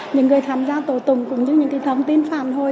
những người tham gia tổ tùng cũng như những cái thông tin phản hồi